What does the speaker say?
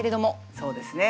そうですね。